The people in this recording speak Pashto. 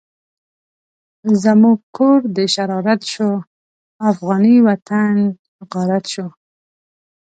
زموږ کور د شرارت شو، افغانی وطن غارت شو